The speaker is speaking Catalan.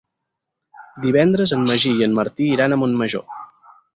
Divendres en Magí i en Martí iran a Montmajor.